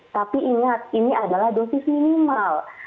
tapi ingat ini adalah dosis minimal